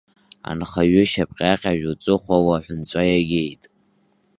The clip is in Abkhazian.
Анхаҩы шьапҟьаҟьажә, уҵыхәала аҳәынҵәа иагеит!